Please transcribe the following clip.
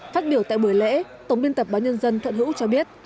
phát biểu tại buổi lễ tổng biên tập báo nhân dân thuận hữu cho biết